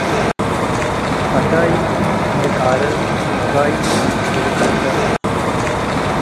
ፈታይ ኢልቃርር ወአባይ ኢልቀርቅር።